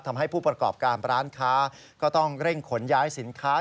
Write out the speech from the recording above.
ทำให้ผู้ประกอบการร้านค้าก็ต้องเร่งขนย้ายสินค้า